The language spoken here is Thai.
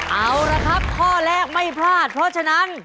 เอาละครับข้อแรกไม่พลาดเพราะฉะนั้น